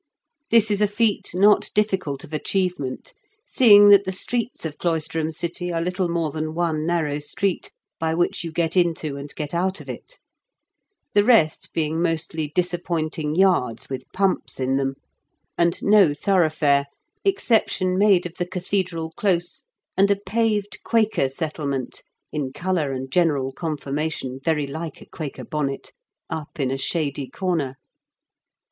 This is a feat not difficult of achievement, seeing that the streets of Cloisterham city are little more than one narrow street, by which you get into and get out of it ; the rest being mostly disappointing yards with pumps in them, and no thorough fare, — exception made of the cathedral close, 46 IN KENT WITH 0HABLE8 DICKENS. and a paved Quaker settlement, in colour and general conformation very like a Quaker bonnet, up in a shady comer.